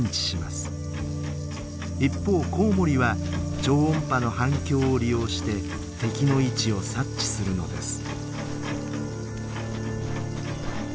一方コウモリは超音波の反響を利用して敵の位置を察知するのです。